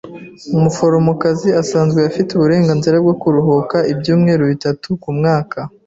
Umuforomokazi usanzwe afite uburenganzira bwo kuruhuka ibyumweru bitatu kumwaka.